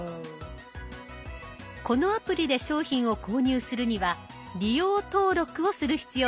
このアプリで商品を購入するには利用登録をする必要があります。